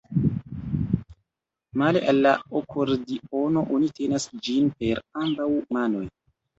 Male al la akordiono oni tenas ĝin per ambaŭ manoj.